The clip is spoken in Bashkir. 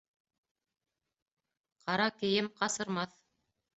Ҡара кейем ҡасырмаҫ